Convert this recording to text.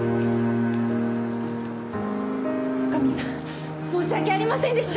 女将さん申し訳ありませんでした！